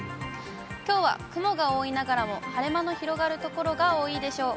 きょうは雲が多いながらも晴れ間の広がる所が多いでしょう。